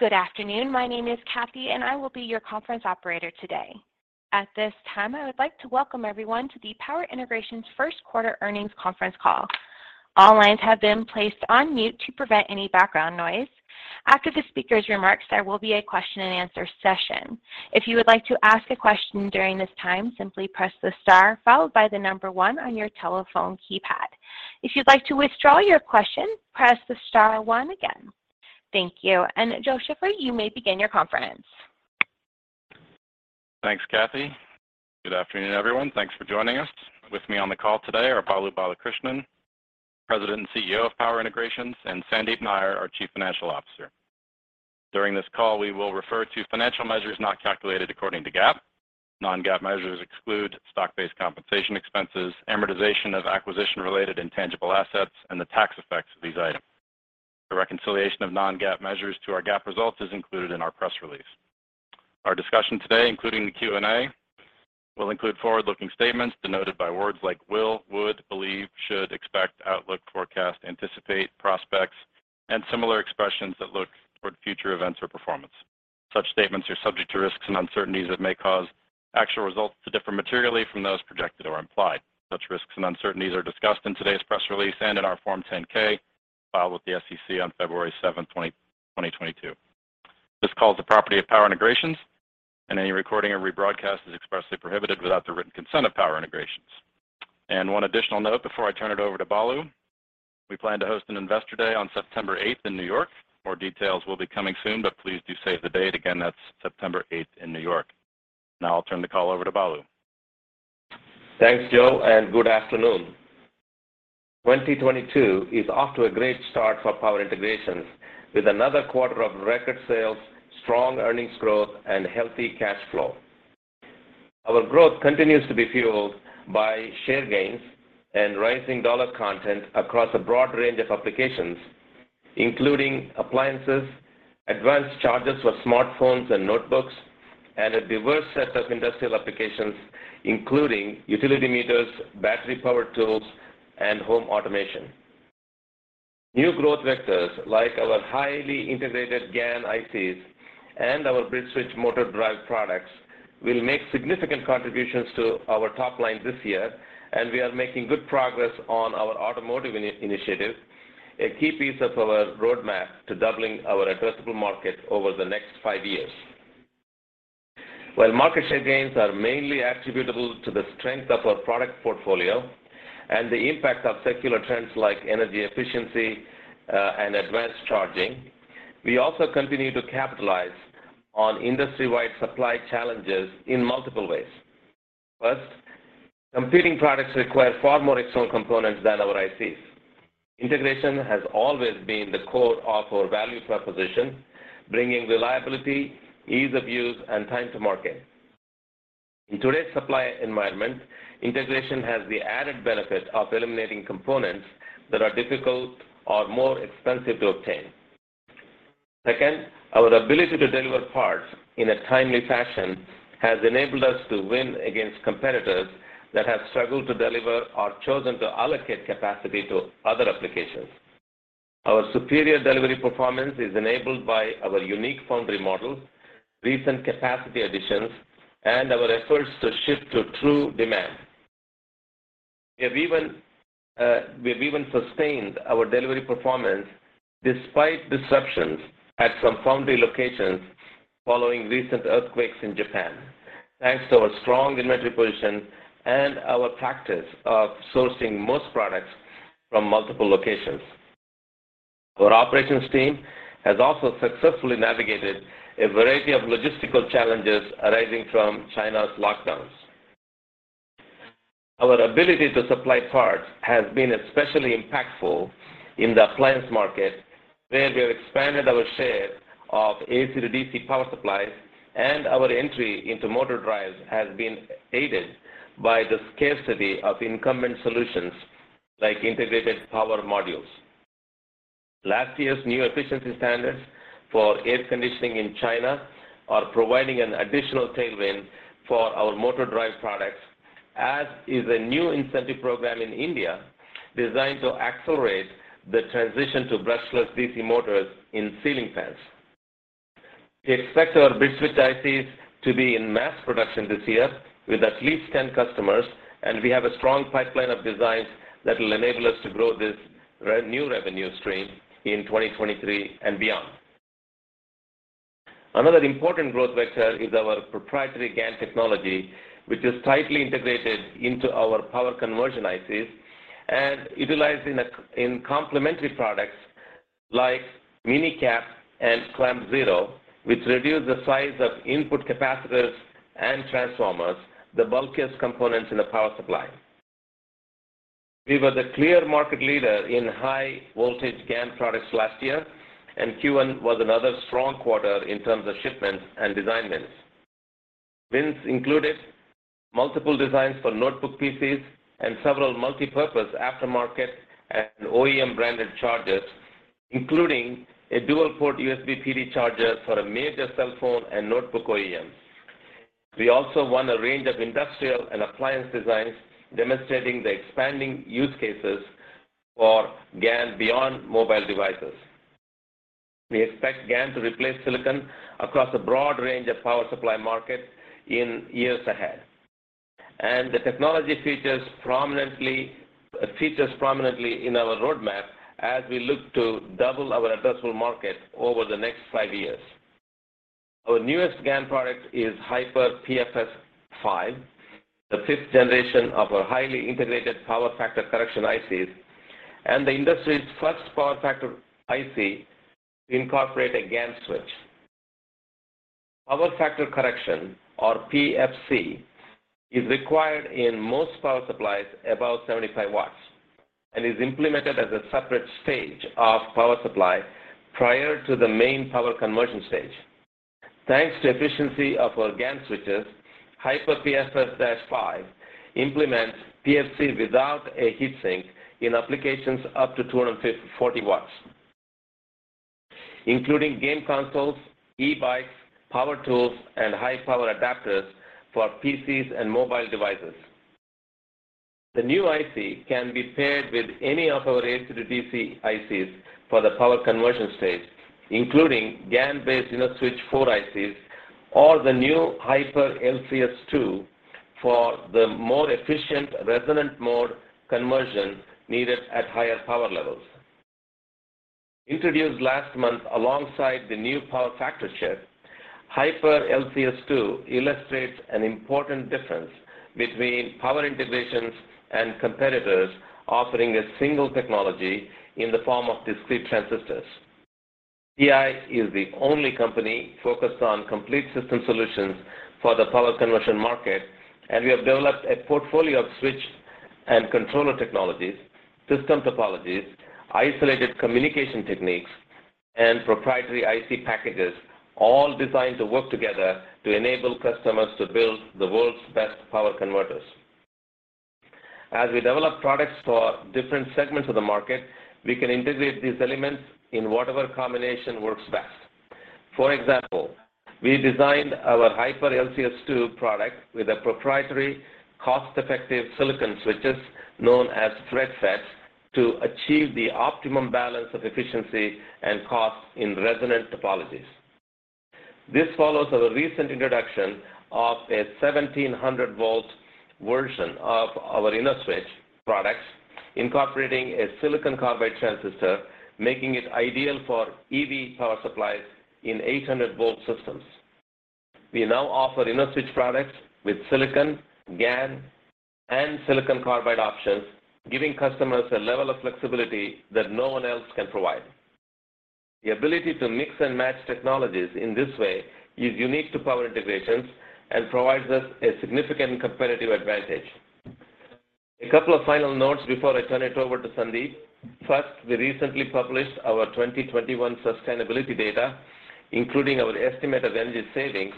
Good afternoon. My name is Kathy, and I will be your conference operator today. At this time, I would like to welcome everyone to the Power Integrations Q1 earnings Conference Call. All lines have been placed on mute to prevent any background noise. After the speaker's remarks, there will be a question and answer session. If you would like to ask a question during this time, simply press the star followed by the number one on your telephone keypad. If you'd like to withdraw your question, press the star one again. Thank you. Joe Shiffler, you may begin your conference. Thanks, Kathy. Good afternoon, everyone. Thanks for joining us. With me on the call today are Balu Balakrishnan, President and CEO of Power Integrations, and Sandeep Nayyar, our Chief Financial Officer. During this call, we will refer to financial measures not calculated according to GAAP. Non-GAAP measures exclude stock-based compensation expenses, amortization of acquisition-related intangible assets, and the tax effects of these items. The reconciliation of non-GAAP measures to our GAAP results is included in our press release. Our discussion today, including the Q&A, will include forward-looking statements denoted by words like will, would, believe, should, expect, outlook, forecast, anticipate, prospects, and similar expressions that look toward future events or performance. Such statements are subject to risks and uncertainties that may cause actual results to differ materially from those projected or implied. Such risks and uncertainties are discussed in today's press release and in our Form 10-K filed with the SEC on February seventh, 2022. This call is the property of Power Integrations, and any recording or rebroadcast is expressly prohibited without the written consent of Power Integrations. One additional note before I turn it over to Balu, we plan to host an investor day on September eighth in New York. More details will be coming soon, but please do save the date. Again, that's September eighth in New York. Now I'll turn the call over to Balu. Thanks, Joe, and good afternoon. 2022 is off to a great start for Power Integrations with another quarter of record sales, strong earnings growth, and healthy cash flow. Our growth continues to be fueled by share gains and rising dollar content across a broad range of applications, including appliances, advanced chargers for smartphones and notebooks, and a diverse set of industrial applications, including utility meters, battery-powered tools, and home automation. New growth vectors like our highly integrated GaN ICs and our bridge switch motor drive products will make significant contributions to our top-line this year, and we are making good progress on our automotive initiative, a key piece of our roadmap to doubling our addressable market over the next five years. While market share gains are mainly attributable to the strength of our product portfolio and the impact of secular trends like energy efficiency, and advanced charging, we also continue to capitalize on industry-wide supply challenges in multiple ways. First, competing products require far more external components than our ICs. Integration has always been the core of our value proposition, bringing reliability, ease of use, and time to market. In today's supply environment, integration has the added benefit of eliminating components that are difficult or more expensive to obtain. Second, our ability to deliver parts in a timely fashion has enabled us to win against competitors that have struggled to deliver or chosen to allocate capacity to other applications. Our superior delivery performance is enabled by our unique foundry model, recent capacity additions, and our efforts to ship to true demand. We have even sustained our delivery performance despite disruptions at some foundry locations following recent earthquakes in Japan, thanks to our strong inventory position and our practice of sourcing most products from multiple locations. Our operations team has also successfully navigated a variety of logistical challenges arising from China's lockdowns. Our ability to supply parts has been especially impactful in the appliance market, where we have expanded our share of AC to DC power supplies, and our entry into motor drives has been aided by the scarcity of incumbent solutions like integrated power modules. Last year's new efficiency standards for air conditioning in China are providing an additional tailwind for our motor drive products, as is a new incentive program in India designed to accelerate the transition to brushless DC motors in ceiling fans. We expect our BridgeSwitch ICs to be in mass production this year with at least 10 customers, and we have a strong pipeline of designs that will enable us to grow this new revenue stream in 2023 and beyond. Another important growth vector is our proprietary GaN technology, which is tightly integrated into our power conversion ICs and utilized in complementary products like MinE-CAP and ClampZero, which reduce the size of input capacitors and transformers, the bulkiest components in a power supply. We were the clear market leader in high-voltage GaN products last year, and Q1 was another strong quarter in terms of shipments and design wins. Wins included multiple designs for notebook PCs and several multipurpose aftermarket and OEM-branded chargers, including a dual-port USB PD charger for a major cell phone and notebook OEM. We also won a range of industrial and appliance designs demonstrating the expanding use cases for GaN beyond mobile devices. We expect GaN to replace silicon across a broad range of power supply market in years ahead. The technology features prominently in our roadmap as we look to double our addressable market over the next five years. Our newest GaN product is HiperPFS-5, the fifth generation of our highly integrated power factor correction ICs and the industry's first power factor IC to incorporate a GaN switch. Power factor correction, or PFC, is required in most power supplies above 75 watts and is implemented as a separate stage of power supply prior to the main power conversion stage. Thanks to efficiency of our GaN switches, HiperPFS-5 implements PFC without a heat sink in applications up to 254 watts, including game consoles, e-bikes, power tools, and high-power adapters for PCs and mobile devices. The new IC can be paired with any of our AC to DC ICs for the power conversion stage, including GaN-based InnoSwitch4 ICs or the new HiperLCS-2 for the more efficient resonant mode conversion needed at higher-power levels. Introduced last month alongside the new power factor chip, HiperLCS-2 illustrates an important difference between Power Integrations and competitors offering a single technology in the form of discrete transistors. PI is the only company focused on complete system solutions for the power conversion market, and we have developed a portfolio of switch and controller technologies, system topologies, isolated communication techniques, and proprietary IC packages, all designed to work together to enable customers to build the world's best power converters. As we develop products for different segments of the market, we can integrate these elements in whatever combination works best. For example, we designed our HiperLCS-2 product with proprietary cost-effective silicon switches known as FREDFETs to achieve the optimum balance of efficiency and cost in resonant topologies. This follows our recent introduction of a 1700 volts version of our InnoSwitch products, incorporating a silicon carbide transistor, making it ideal for EV power supplies in 800 volts systems. We now offer InnoSwitch products with silicon, GaN, and silicon carbide options, giving customers a level of flexibility that no one else can provide. The ability to mix and match technologies in this way is unique to Power Integrations and provides us a significant competitive advantage. A couple of final notes before I turn it over to Sandeep. First, we recently published our 2021 sustainability data, including our estimate of energy savings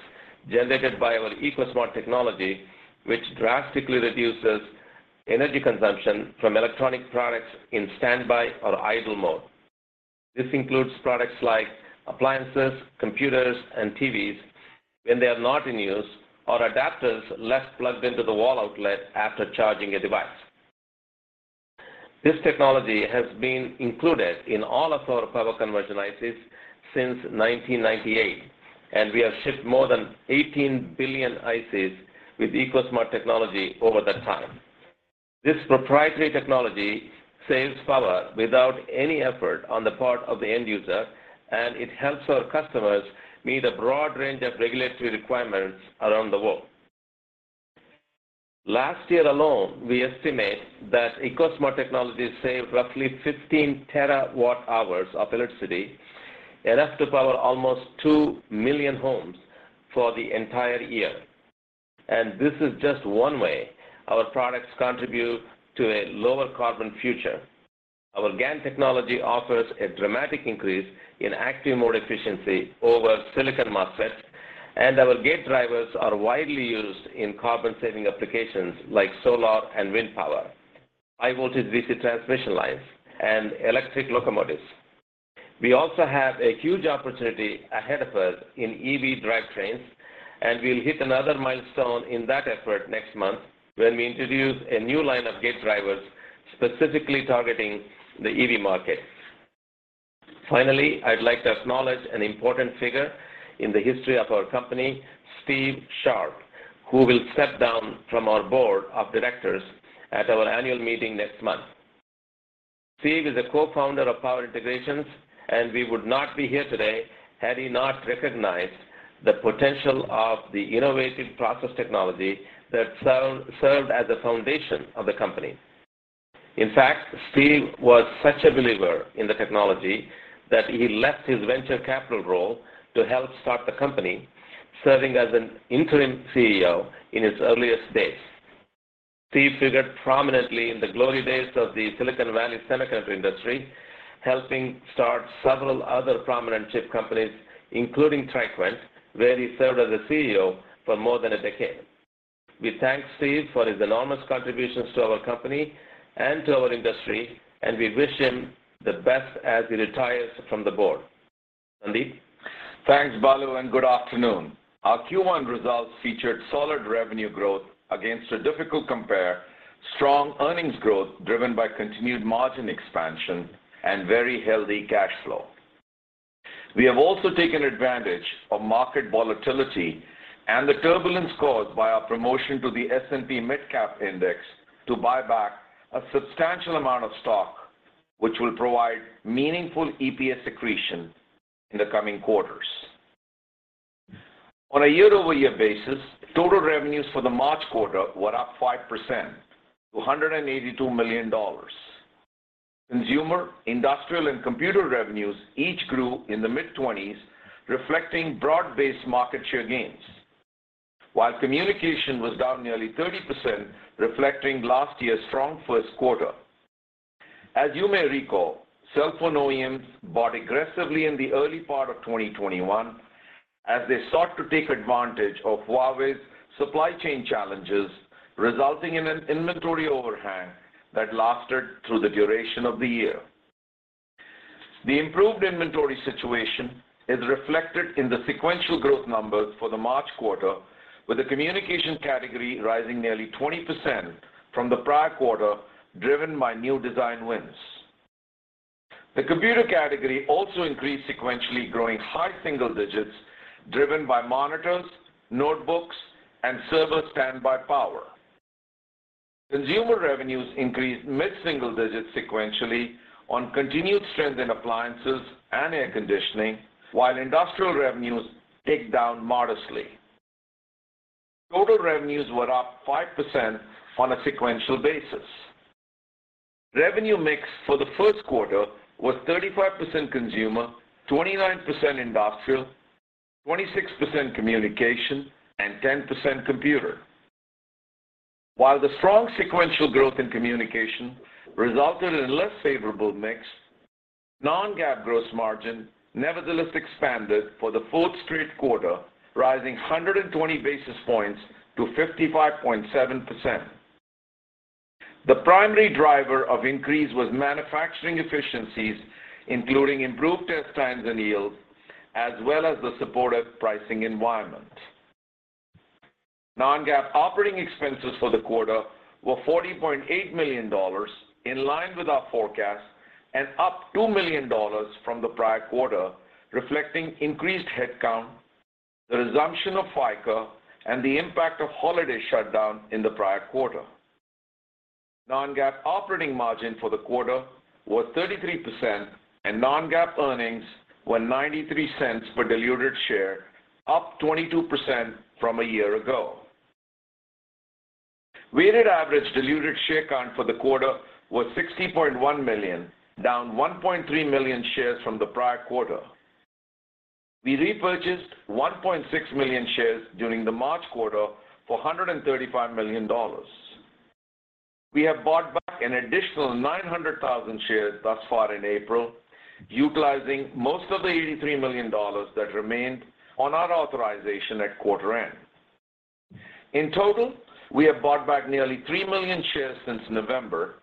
generated by our EcoSmart technology, which drastically reduces energy consumption from electronic products in standby or idle mode. This includes products like appliances, computers, and TVs when they are not in use or adapters left plugged into the wall outlet after charging a device. This technology has been included in all of our power conversion ICs since 1998, and we have shipped more than 18 billion ICs with EcoSmart technology over that time. This proprietary technology saves power without any effort on the part of the end user, and it helps our customers meet a broad range of regulatory requirements around the world. Last year alone, we estimate that EcoSmart technologies saved roughly 15 terawatt-hours of electricity, enough to power almost 2 million homes for the entire year. This is just one way our products contribute to a lower-carbon future. Our GaN technology offers a dramatic increase in active mode efficiency over silicon MOSFET, and our gate drivers are widely used in carbon-saving applications like solar and wind power, high-voltage DC transmission lines, and electric locomotives. We also have a huge opportunity ahead of us in EV drivetrains, and we'll hit another milestone in that effort next month when we introduce a new line of gate drivers specifically targeting the EV market. Finally, I'd like to acknowledge an important figure in the history of our company, Steve Sharp, who will step down from our Board of Directors at our annual meeting next month. Steve is a co-founder of Power Integrations, and we would not be here today had he not recognized the potential of the innovative process technology that served as the foundation of the company. In fact, Steve was such a believer in the technology that he left his venture capital role to help start the company, serving as an interim CEO in its earliest days. Steve figured prominently in the glory days of the Silicon Valley semiconductor industry, helping start several other prominent chip companies, including TriQuint, where he served as a CEO for more than a decade. We thank Steve for his enormous contributions to our company and to our industry, and we wish him the best as he retires from the board. Sandeep. Thanks, Balu, and good afternoon. Our Q1 results featured solid revenue growth against a difficult compare, strong earnings growth driven by continued margin expansion and very healthy cash flow. We have also taken advantage of market volatility and the turbulence caused by our promotion to the S&P MidCap index to buy back a substantial amount of stock, which will provide meaningful EPS accretion in the coming quarters. On a year-over-year basis, total revenues for the March quarter were up 5% to $182 million. Consumer, industrial, and computer revenues each grew in the mid-20s, reflecting broad-based market share gains. While communication was down nearly 30%, reflecting last year's strong Q1. As you may recall, cell phone OEMs bought aggressively in the early part of 2021 as they sought to take advantage of Huawei's supply chain challenges, resulting in an inventory overhang that lasted through the duration of the year. The improved inventory situation is reflected in the sequential growth numbers for the March quarter, with the communication category rising nearly 20% from the prior quarter, driven by new design wins. The computer category also increased sequentially, growing high single-digits driven by monitors, notebooks, and server standby power. Consumer revenues increased mid-single digits sequentially on continued strength in appliances and air conditioning, while industrial revenues ticked down modestly. Total revenues were up 5% on a sequential basis. Revenue mix for the Q1 was 35% consumer, 29% industrial, 26% communication, and 10% computer. While the strong sequential growth in communication resulted in less favorable mix, non-GAAP gross margin nevertheless expanded for the fourth straight quarter, rising 120 basis points to 55.7%. The primary driver of increase was manufacturing efficiencies, including improved test times and yields, as well as the supportive pricing environment. Non-GAAP operating expenses for the quarter were $40.8 million, in line with our forecast and up $2 million from the prior quarter, reflecting increased headcount, the resumption of FICA, and the impact of holiday shutdown in the prior quarter. Non-GAAP operating margin for the quarter was 33%, and non-GAAP earnings were $0.93 per diluted share, up 22% from a year ago. Weighted average diluted share count for the quarter was 60.1 million, down 1.3 million shares from the prior quarter. We repurchased 1.6 million shares during the March quarter for $135 million. We have bought back an additional 900,000 shares thus far in April, utilizing most of the $83 million that remained on our authorization at quarter end. In total, we have bought back nearly 3 million shares since November,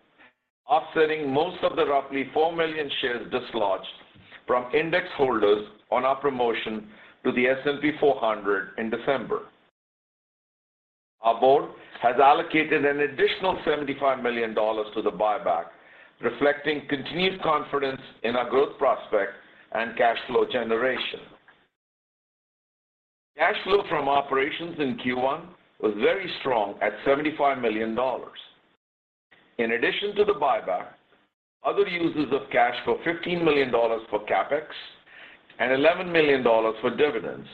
offsetting most of the roughly 4 million shares dislodged from index holders on our promotion to the S&P 400 in December. Our board has allocated an additional $75 million to the buyback, reflecting continued confidence in our growth prospects and cash flow generation. Cash flow from operations in Q1 was very strong at $75 million. In addition to the buyback, other uses of cash for $15 million for CapEx and $11 million for dividends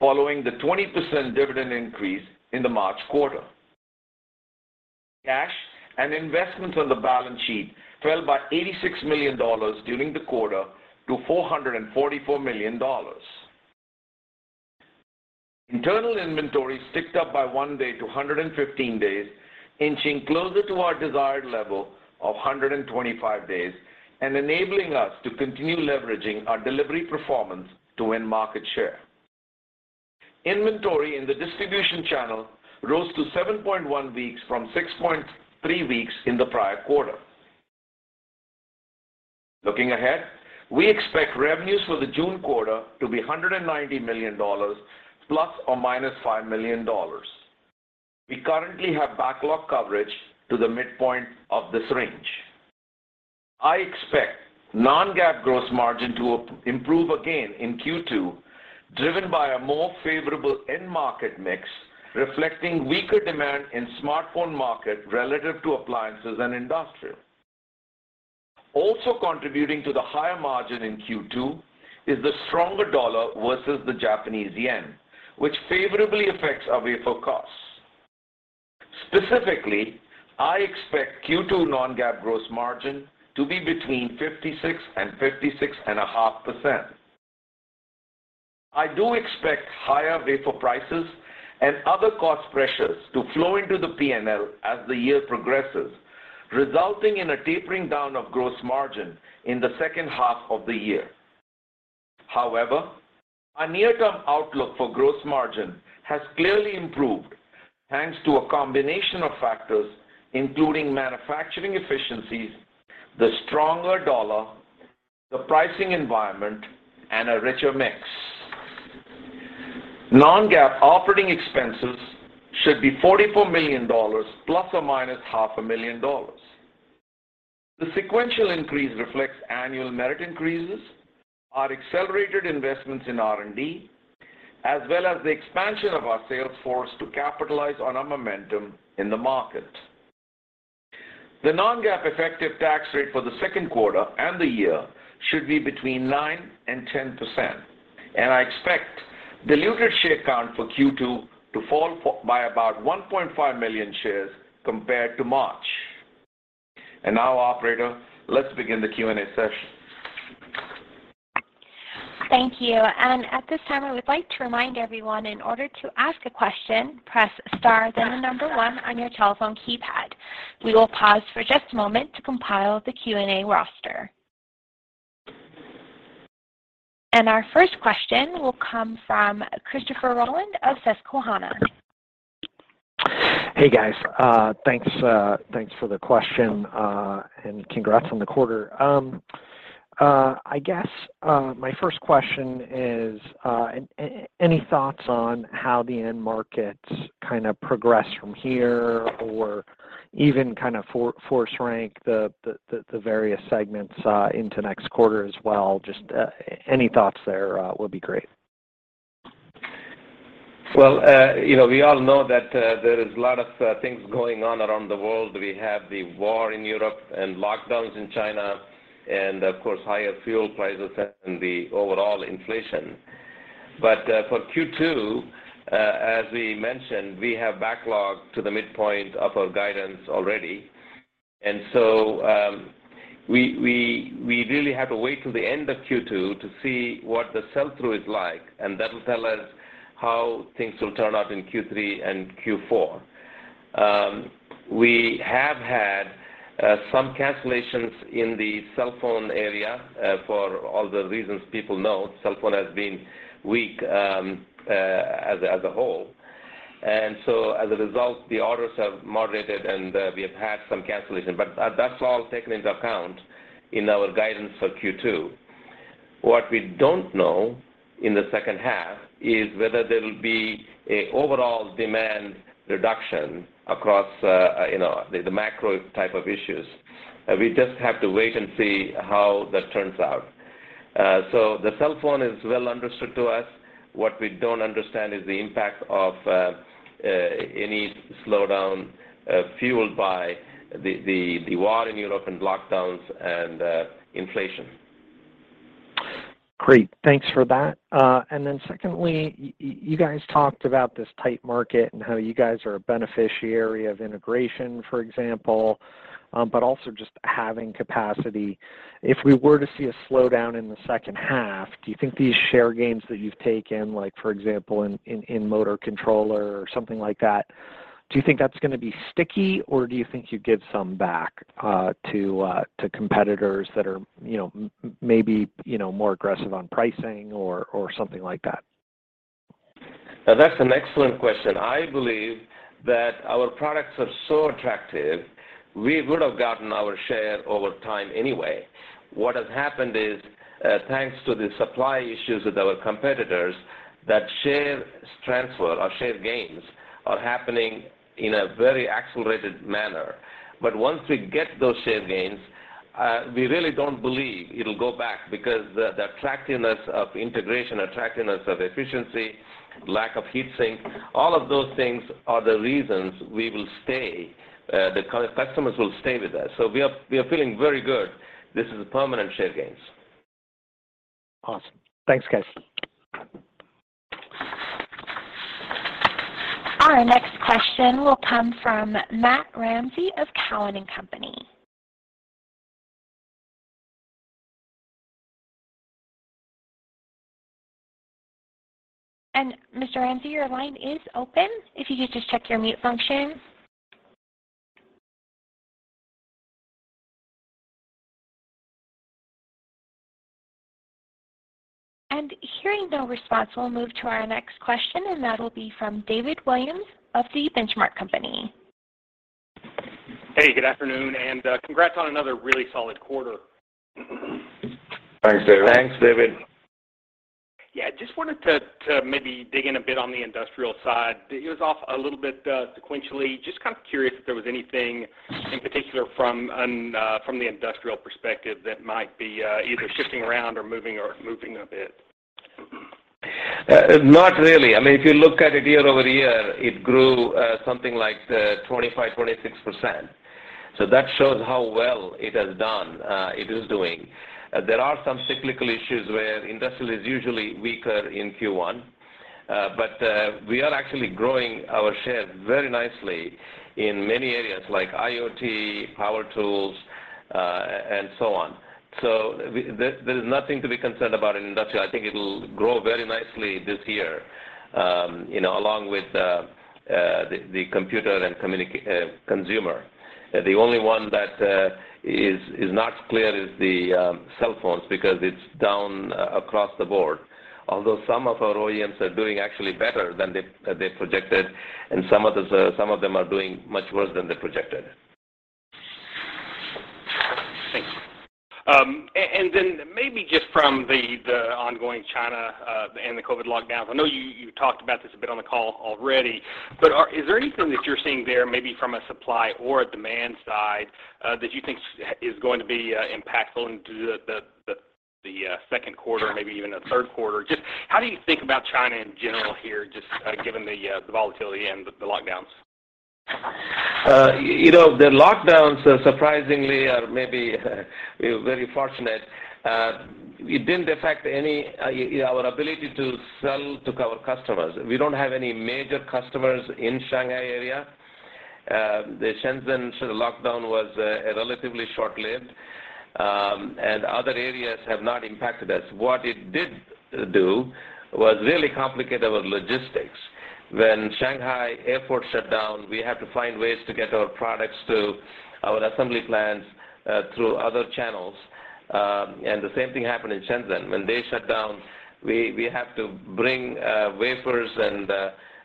following the 20% dividend increase in the March quarter. Cash and investments on the balance sheet fell by $86 million during the quarter to $444 million. Internal inventory ticked up by 1 day to 115 days, inching closer to our desired level of 125 days and enabling us to continue leveraging our delivery performance to win market share. Inventory in the distribution channel rose to 7.1 weeks from 6.3 weeks in the prior quarter. Looking ahead, we expect revenues for the June quarter to be $190 million ± $5 million. We currently have backlog coverage to the midpoint of this range. I expect non-GAAP gross margin to improve again in Q2, driven by a more favorable end market mix, reflecting weaker demand in smartphone market relative to appliances and industrial. Also contributing to the higher margin in Q2 is the stronger US dollar versus the Japanese yen, which favorably affects our wafer costs. Specifically, I expect Q2 non-GAAP gross margin to be between 56% and 56.5%. I do expect higher-wafer prices and other cost pressures to flow into the P&L as the year progresses, resulting in a tapering down of gross margin in the second half of the year. However, our near-term outlook for gross margin has clearly improved thanks to a combination of factors, including manufacturing efficiencies, the stronger dollar, the pricing environment, and a richer mix. Non-GAAP operating expenses should be $44 million plus or minus half a million dollars. The sequential increase reflects annual merit increases, our accelerated investments in R&D, as well as the expansion of our sales force to capitalize on our momentum in the market. The non-GAAP effective tax rate for the Q2 and the year should be between 9% and 10%, and I expect diluted share count for Q2 to fall by about 1.5 million shares compared to March. Now, operator, let's begin the Q&A session. Thank you. At this time, I would like to remind everyone, in order to ask a question, press star then the number one on your telephone keypad. We will pause for just a moment to compile the Q&A roster. Our first question will come from Christopher Rolland of Susquehanna. Hey, guys. Thanks for the question, and congrats on the quarter. I guess my first question is any thoughts on how the end markets kind of progress from here or even kind of force rank the various segments into next quarter as well? Just any thoughts there will be great. Well, you know, we all know that there is a lot of things going on around the world. We have the war in Europe and lockdowns in China and of course, higher fuel prices and the overall inflation. For Q2, as we mentioned, we have backlog to the midpoint of our guidance already. We really have to wait till the end of Q2 to see what the sell-through is like, and that will tell us how things will turn out in Q3 and Q4. We have had some cancellations in the cell phone area for all the reasons people know, cell phone has been weak as a whole. As a result, the orders have moderated, and we have had some cancellations, but that's all taken into account in our guidance for Q2. What we don't know in the second half is whether there'll be an overall demand reduction across the macro type of issues. We just have to wait and see how that turns out. The cell phone is well understood to us. What we don't understand is the impact of any slowdown fueled by the war in Europe and lockdowns and inflation. Great. Thanks for that. Secondly, you guys talked about this tight market and how you guys are a beneficiary of integration, for example, but also just having capacity. If we were to see a slowdown in the second half, do you think these share gains that you've taken, like, for example, in motor controller or something like that, do you think that's gonna be sticky, or do you think you'd give some back to competitors that are, you know, maybe, you know, more aggressive on pricing or something like that? Now, that's an excellent question. I believe that our products are so attractive, we would have gotten our share over time anyway. What has happened is, thanks to the supply issues with our competitors, that share transfer or share gains are happening in a very accelerated manner. Once we get those share gains, we really don't believe it'll go back because the attractiveness of integration, attractiveness of efficiency, lack of heat sink, all of those things are the reasons we will stay, the customers will stay with us. We are feeling very good. This is permanent share gains. Awesome. Thanks, guys. Our next question will come from Matt Ramsay of Cowen and Company. Mr. Ramsay, your line is open if you could just check your mute function. Hearing no response, we'll move to our next question, and that'll be from David Williams of The Benchmark Company. Hey, good afternoon, and congrats on another really solid quarter. Thanks, David. Thanks, David. Yeah, just wanted to maybe dig in a bit on the industrial side. It was off a little bit sequentially. Just kind of curious if there was anything in particular from an industrial perspective that might be either shifting around or moving a bit. Not really. I mean, if you look at it year over year, it grew something like 25-26%. That shows how well it has done, it is doing. There are some cyclical issues where industrial is usually weaker in Q1. We are actually growing our share very nicely in many areas like IoT, power tools, and so on. There's nothing to be concerned about in industrial. I think it'll grow very nicely this year, you know, along with the computer and consumer. The only one that is not clear is the cell phones because it's down across the board. Although some of our OEMs are doing actually better than they projected, and some of them are doing much worse than they projected. Thank you. And then maybe just from the ongoing China, and the COVID lockdowns, I know you talked about this a bit on the call already, but is there anything that you're seeing there, maybe from a supply or a demand side, that you think is going to be impactful into the Q2, maybe even the Q3? Just how do you think about China in general here, just given the volatility and the lockdowns? You know, the lockdowns surprisingly are maybe we were very fortunate. It didn't affect any our ability to sell to our customers. We don't have any major customers in Shanghai area. The Shenzhen lockdown was relatively short-lived. Other areas have not impacted us. What it did do was really complicate our logistics. When Shanghai Airport shut down, we had to find ways to get our products to our assembly plants through other channels. The same thing happened in Shenzhen. When they shut down, we have to bring wafers and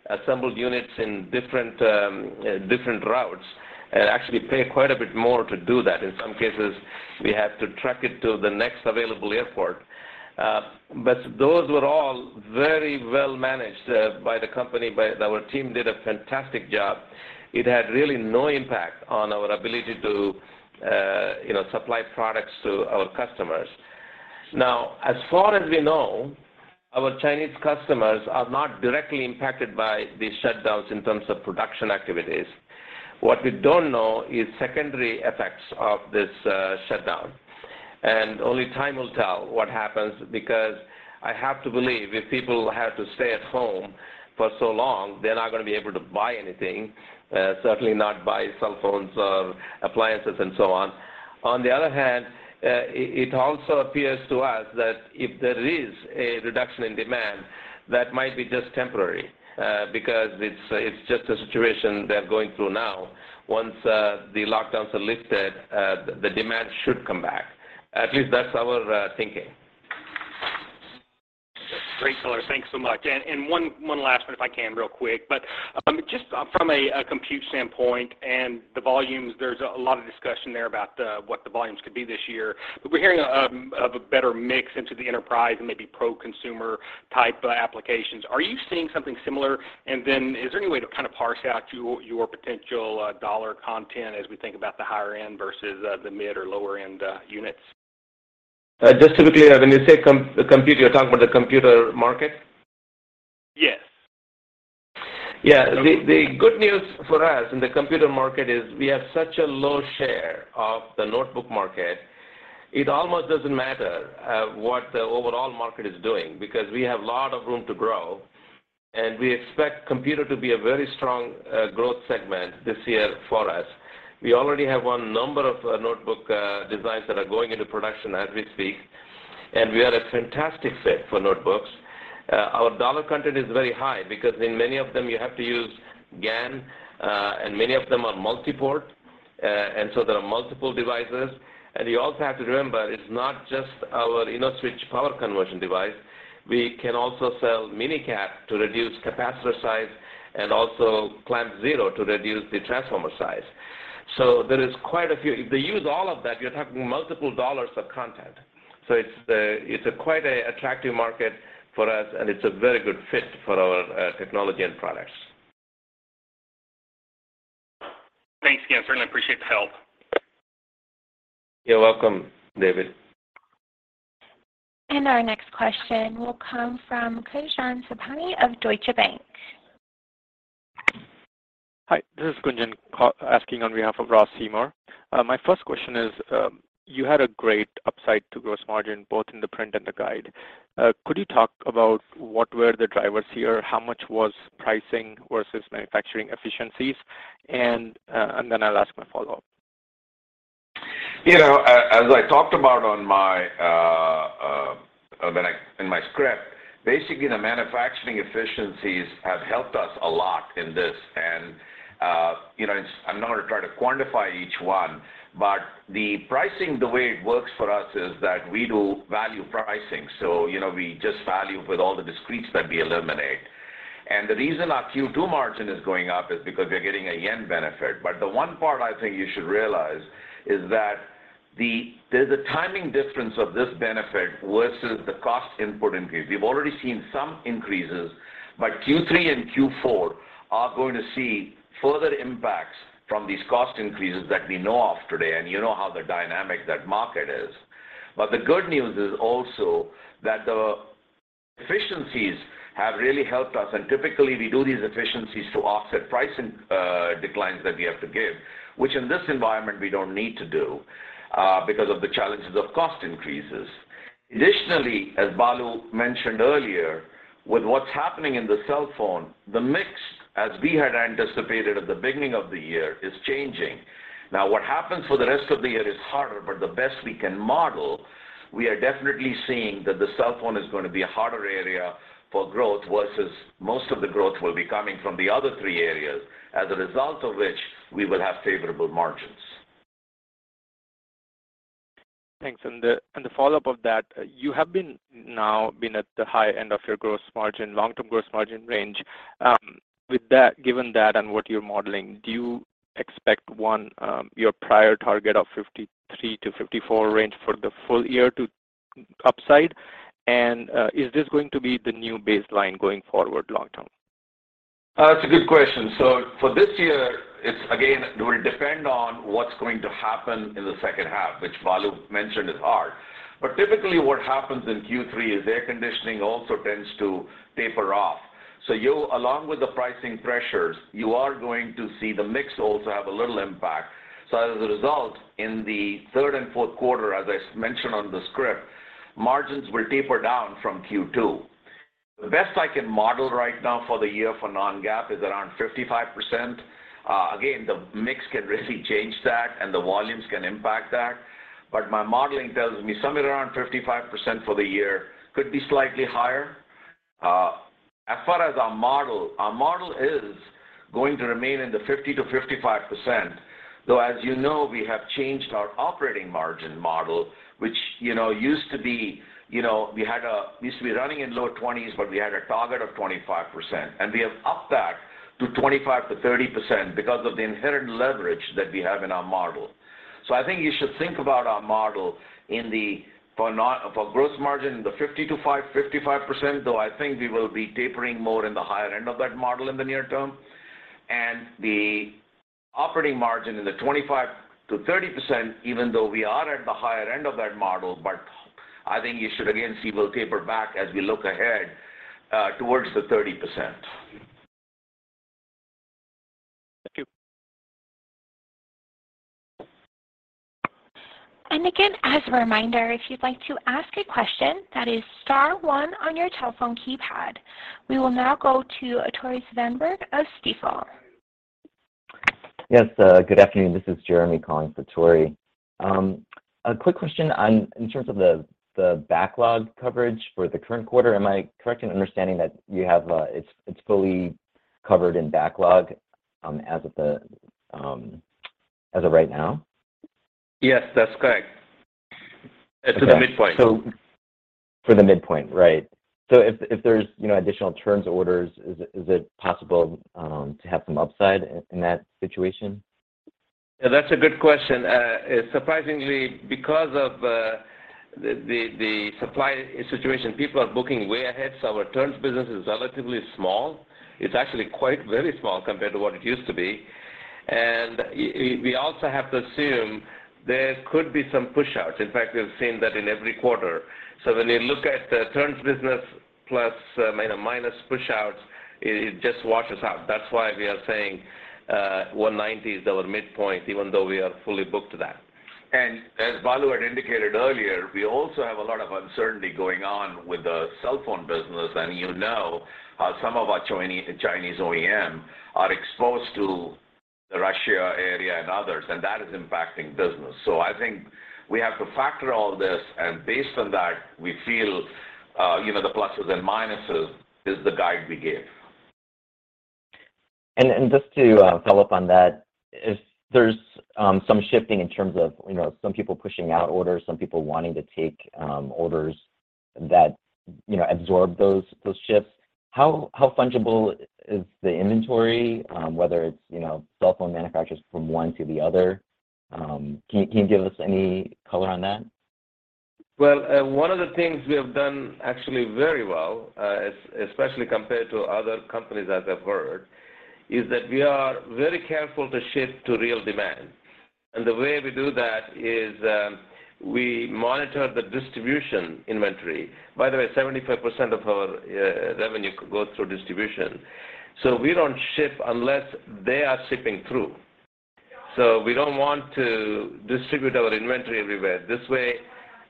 assembled units in different routes, and actually pay quite a bit more to do that. In some cases, we have to truck it to the next available airport. Those were all very well-managed by the company. Our team did a fantastic job. It had really no impact on our ability to, you know, supply products to our customers. Now, as far as we know, our Chinese customers are not directly impacted by these shutdowns in terms of production activities. What we don't know is secondary effects of this, shutdown. Only time will tell what happens, because I have to believe if people have to stay at home for so long, they're not gonna be able to buy anything, certainly not buy cell phones or appliances and so on. On the other hand, it also appears to us that if there is a reduction in demand, that might be just temporary, because it's just a situation they're going through now. Once, the lockdowns are lifted, the demand should come back. At least that's our, thinking. Great, thanks so much. One last one if I can real quick. Just from a compute standpoint and the volumes, there's a lot of discussion there about what the volumes could be this year. We're hearing of a better mix into the enterprise and maybe pro consumer type applications. Are you seeing something similar? Then is there any way to kind of parse out your potential dollar content as we think about the higher end versus the mid or lower-end units? Just to be clear, when you say compute, you're talking about the computer market? Yes. Yeah. Okay. The good news for us in the computer market is we have such a low share of the notebook market, it almost doesn't matter what the overall market is doing because we have a lot of room to grow, and we expect computers to be a very strong growth segment this year for us. We already have a number of notebook designs that are going into production as we speak, and we are a fantastic fit for notebooks. Our dollar content is very high because in many of them you have to use GaN, and many of them are multi-port, and so there are multiple devices. You also have to remember, it's not just our InnoSwitch power conversion device. We can also sell MinE-CAP to reduce capacitor size and also ClampZero to reduce the transformer size. There is quite a few. If they use all of that, you're talking multiple dollars of content. It's quite an attractive market for us, and it's a very good fit for our technology and products. Thanks again. Certainly appreciate the help. You're welcome, David. Our next question will come from Kunjan Sobhani of Deutsche Bank. Hi, this is Kunjan Sobhani asking on behalf of Ross Seymore. My first question is, you had a great upside to gross margin, both in the print and the guide. Could you talk about what were the drivers here? How much was pricing versus manufacturing efficiencies? Then I'll ask my follow-up. You know, as I talked about in my script, basically the manufacturing efficiencies have helped us a lot in this. You know, I'm not gonna try to quantify each one, but the pricing, the way it works for us, is that we do value pricing, so, you know, we just value with all the discretes that we eliminate. The reason our Q2 margin is going up is because we're getting a yen benefit. The one part I think you should realize is that there's a timing difference of this benefit versus the cost input increase. We've already seen some increases, but Q3 and Q4 are going to see further impacts from these cost increases that we know of today, and you know how dynamic that market is. The good news is also that the efficiencies have really helped us, and typically we do these efficiencies to offset price declines that we have to give, which in this environment we don't need to do, because of the challenges of cost increases. Additionally, as Balu mentioned earlier, with what's happening in the cell phone, the mix, as we had anticipated at the beginning of the year, is changing. Now, what happens for the rest of the year is harder, but the best we can model, we are definitely seeing that the cell phone is gonna be a harder area for growth versus most of the growth will be coming from the other three areas, as a result of which we will have favorable margins. Thanks. The follow-up of that, you have now been at the high-end of your gross margin, long-term gross margin range. Given that and what you're modeling, do you expect, one, your prior target of 53%-54% range for the full-year to move upside? Is this going to be the new baseline going forward long-term? It's a good question. For this year, it's again it will depend on what's going to happen in the second half, which Balu mentioned is hard. Typically what happens in Q3 is air conditioning also tends to taper off. You along with the pricing pressures, you are going to see the mix also have a little impact. As a result, in the third and Q4, as I mentioned on the script, margins will taper down from Q2. The best I can model right now for the year for non-GAAP is around 55%. Again, the mix can really change that and the volumes can impact that, but my modeling tells me somewhere around 55% for the year, could be slightly higher. As far as our model, our model is going to remain in the 50%-55%, though as you know, we have changed our operating margin model, which, you know, used to be, you know, we used to be running in low 20s, but we had a target of 25%. We have upped that to 25%-30% because of the inherent leverage that we have in our model. I think you should think about our model for gross margin in the 50%-55%, though I think we will be tapering more in the higher-end of that model in the near term. The operating margin in the 25%-30%, even though we are at the higher-end of that model, but I think you should again see we'll taper back as we look ahead, towards the 30%. Thank you. Again, as a reminder, if you'd like to ask a question, that is star one on your telephone keypad. We will now go to Tore Svanberg of Stifel. Yes, good afternoon. This is Jeremy calling for Tore. A quick question on in terms of the backlog coverage for the current quarter. Am I correct in understanding that it's fully covered in backlog as of right now? Yes, that's correct. To the midpoint. For the midpoint, right. If there's, you know, additional turns orders, is it possible to have some upside in that situation? That's a good question. Surprisingly because of the supply situation, people are booking way ahead, so our turns business is relatively small. It's actually quite very small compared to what it used to be. We also have to assume there could be some pushouts. In fact, we've seen that in every quarter. When you look at the turns business plus minus pushouts, it just washes out. That's why we are saying $190 is our midpoint even though we are fully booked to that. As Balu had indicated earlier, we also have a lot of uncertainty going on with the cell phone business. You know how some of our Chinese OEM are exposed to the Russia area and others, and that is impacting business. I think we have to factor all this, and based on that, we feel, you know, the pluses and minuses is the guide we give. Just to follow-up on that, if there's some shifting in terms of, you know, some people pushing out orders, some people wanting to take orders that, you know, absorb those shifts, how fungible is the inventory, whether it's, you know, cell phone manufacturers from one to the other? Can you give us any color on that? Well, one of the things we have done actually very well, especially compared to other companies I've heard, is that we are very careful to ship to real demand. The way we do that is, we monitor the distribution inventory. By the way, 75% of our revenue goes through distribution. We don't ship unless they are shipping through. We don't want to distribute our inventory everywhere. This way,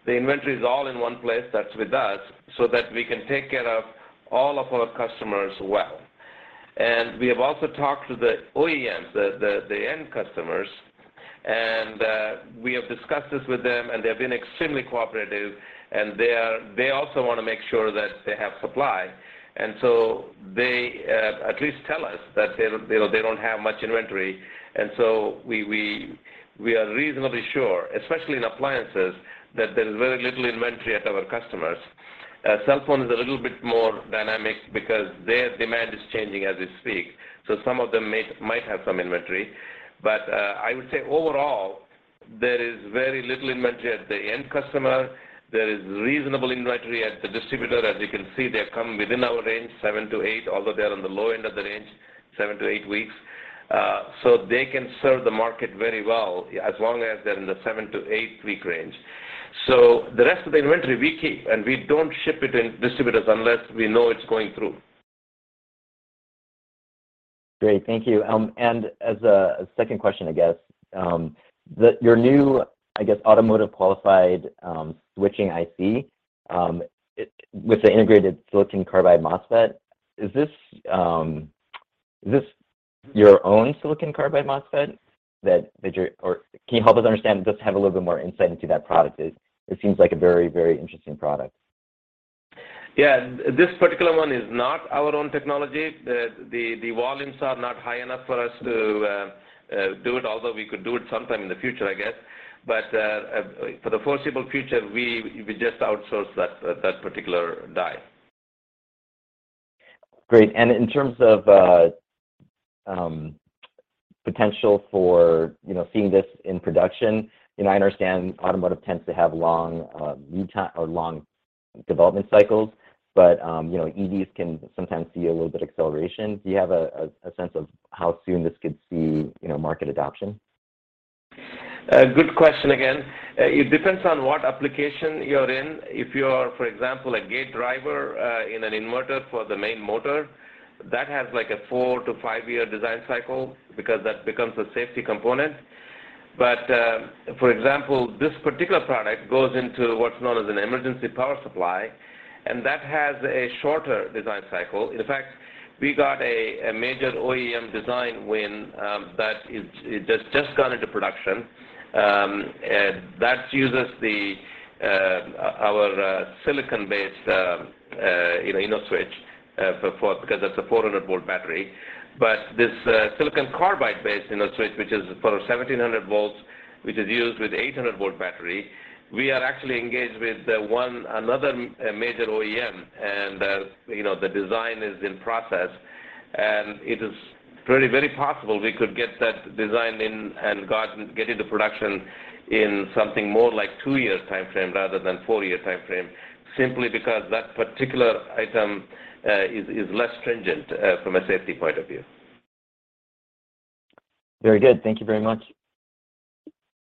the inventory is all in one place, that's with us, so that we can take care of all of our customers well. We have also talked to the OEMs, the end customers, and we have discussed this with them and they've been extremely cooperative, and they are. They also wanna make sure that they have supply. They at least tell us that they don't have much inventory. We are reasonably sure, especially in appliances, that there's very little inventory at our customers. Cell phone is a little bit more dynamic because their demand is changing as we speak, so some of them might have some inventory. I would say overall, there is very little inventory at the end customer. There is reasonable inventory at the distributor. As you can see, they're coming within our range, 7-8, although they're on the low-end of the range, 7-8 weeks. They can serve the market very well as long as they're in the 7-8-week range. The rest of the inventory we keep, and we don't ship it in distributors unless we know it's going through. Great. Thank you. As a second question, I guess, your new, I guess, automotive qualified switching IC with the integrated silicon carbide MOSFET, is this your own silicon carbide MOSFET that you're? Or can you help us understand, just have a little bit more insight into that product? It seems like a very interesting product. Yeah, this particular one is not our own technology. The volumes are not high enough for us to do it, although we could do it sometime in the future, I guess. For the foreseeable future, we just outsource that particular die. Great. In terms of potential for, you know, seeing this in production, and I understand automotive tends to have long development cycles, but, you know, EVs can sometimes see a little bit acceleration. Do you have a sense of how soon this could see, you know, market adoption? Good question again. It depends on what application you're in. If you are, for example, a gate driver in an inverter for the main motor, that has like a 4-5-year design cycle because that becomes a safety component. For example, this particular product goes into what's known as an emergency power supply, and that has a shorter design cycle. In fact, we got a major OEM design win that just got into production. That uses our silicon-based you know InnoSwitch for because that's a 400-volt battery. This silicon carbide-based InnoSwitch, which is for 1700 volts, which is used with 800-volt battery, we are actually engaged with another major OEM and, you know, the design is in process, and it is very, very possible we could get that design in and get into production in something more like 2-year timeframe rather than 4-year timeframe, simply because that particular item is less stringent from a safety point of view. Very good. Thank you very much.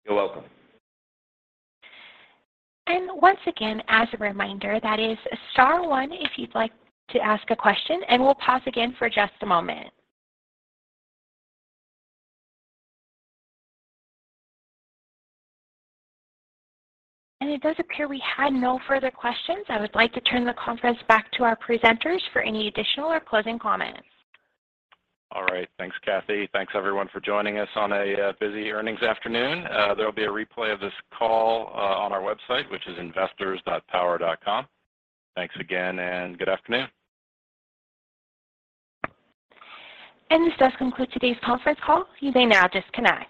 You're welcome. Once again, as a reminder, that is star one if you'd like to ask a question and we'll pause again for just a moment. It does appear we had no further questions. I would like to turn the conference back to our presenters for any additional or closing comments. All right. Thanks, Kathy. Thanks everyone for joining us on a busy earnings afternoon. There will be a replay of this call on our website, which is investors.power.com. Thanks again and good afternoon. This does conclude today's Conference Call. You may now disconnect.